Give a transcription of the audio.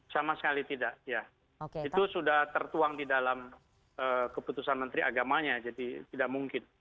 sama sekali tidak ya itu sudah tertuang di dalam keputusan menteri agamanya jadi tidak mungkin